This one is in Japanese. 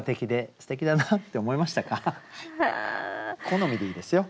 好みでいいですよ。